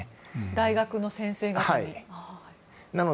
大学の先生方の。